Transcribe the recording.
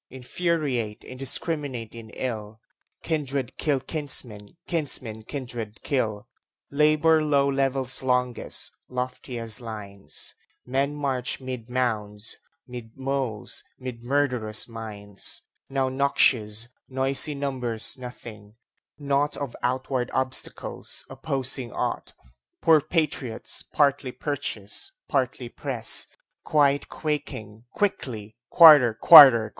Infuriate, indiscrminate in ill, Kindred kill kinsmen, kinsmen kindred kill. Labor low levels longest, lofiest lines; Men march 'mid mounds, 'mid moles, ' mid murderous mines; Now noxious, noisey numbers nothing, naught Of outward obstacles, opposing ought; Poor patriots, partly purchased, partly pressed, Quite quaking, quickly "Quarter! Quarter!"